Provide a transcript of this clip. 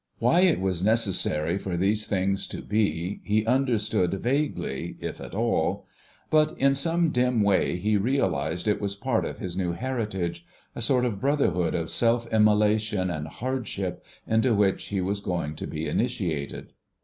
Why it was necessary for these things to be he understood vaguely, if at all. But in some dim way he realised it was part of his new heritage, a sort of brotherhood of self immolation and hardship into which he was going to be initiated.